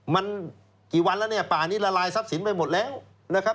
มันกี่วันแล้วเนี่ยป่านี้ละลายทรัพย์สินไปหมดแล้วนะครับ